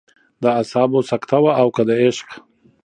د اعصابو سکته وه او که د عشق.